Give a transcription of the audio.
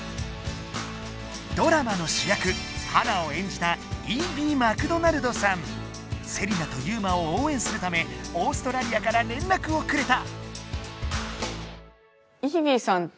ドラマの主役ハナを演じたセリナとユウマをおうえんするためオーストラリアかられんらくをくれた。